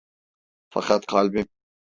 Fakat kalbim…